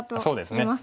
そうですね。